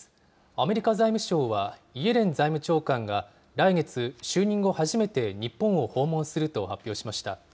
アメリカ財務省はイエレン財務長官が、来月、就任後初めて日本を訪問すると発表しました。